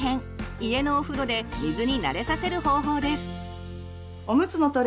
家のお風呂で水に慣れさせる方法です。